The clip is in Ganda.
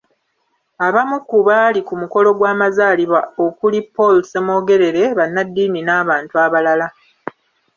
Abamu ku baali ku mukolo gw'amazaalibwa okuli; Paul Ssemwogere, Bannaddiini n'abantu abalala.